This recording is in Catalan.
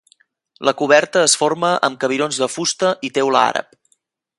La coberta es forma amb cabirons de fusta i teula àrab.